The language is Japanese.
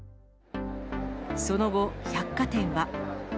その後、百貨店は。